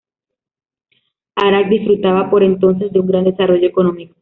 Arad disfrutaba por entonces de un gran desarrollo económico.